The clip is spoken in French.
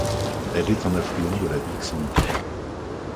Elle est un affluent de la Big Sandy.